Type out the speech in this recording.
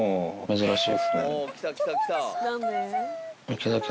珍しいっすね。